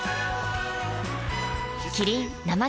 キリン「生茶」